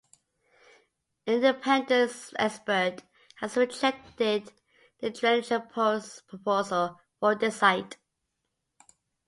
An independent expert has rejected the drainage proposal for this site.